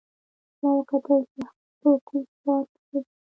ما وکتل چې هغه په کوز پارک کې ګرځي